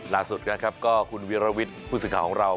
ล่าสุดนะครับก็คุณวิรวิทย์ผู้สื่อข่าวของเรา